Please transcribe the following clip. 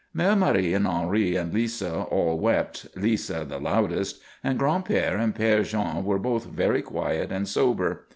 Mère Marie and Henri and Lisa all wept, Lisa the loudest, and Gran'père and Père Jean were both very quiet and sober.